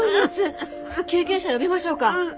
救急車呼びましょうか？